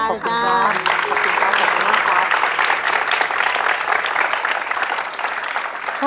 ขอบคุณตัวอย่างนะครับ